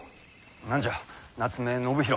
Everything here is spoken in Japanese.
何じゃ夏目信広。